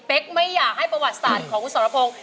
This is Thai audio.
ปั๊กไม่อยากให้ประวัติศาสตร์ของคุณสังละพง